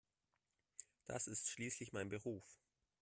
Das ist schließlich mein Beruf.